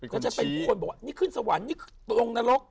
เราจะเป็นคนเบื้องนี่ขึ้นสวรรค์นี่ขึ้นตรงนรก